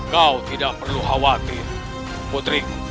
kau tidak perlu khawatir putri